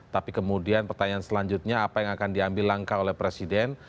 tapi kemudian pertanyaan selanjutnya apa yang akan diambil langkah oleh presiden